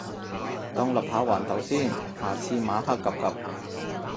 當立下環頭先，下次晚黑 𥄫𥄫